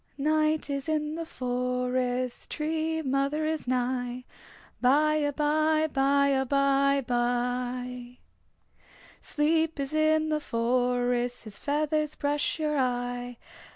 Night is in the forest, Tree Mother is nigh. By abye, by abye bye. Sleep is in the forest His feathers brush your eye.